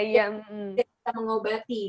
yang kita mengobati